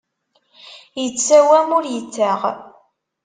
Ittsawam, ur ittaɣ.